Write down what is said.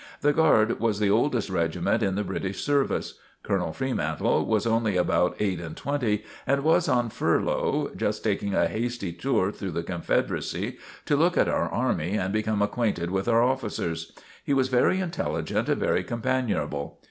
The Guard was the oldest regiment in the British service. Colonel Freemantle was only about eight and twenty, and was on furlough, just taking a hasty tour through the Confederacy to look at our army and become acquainted with our officers. He was very intelligent and very companionable.